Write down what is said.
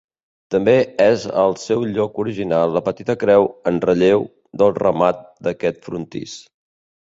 També és al seu lloc original la petita creu en relleu del remat d'aquest frontis.